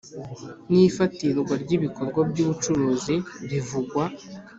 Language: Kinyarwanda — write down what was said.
n ifatirwa ry ibikorwa by ubucuruzi rivugwa